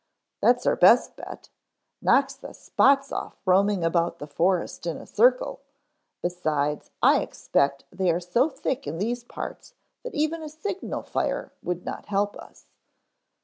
"That's our best bet. Knocks the spots off roaming about the forest in a circle, besides I expect they are so thick in these parts that even a signal fire would not help us.